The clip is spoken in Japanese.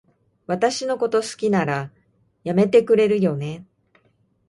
私のこと好きなら、やめてくれるよね？